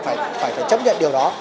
phải chấp nhận điều đó